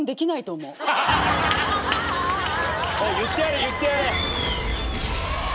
言ってやれ言ってやれ。